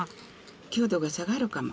強度が下がるかも。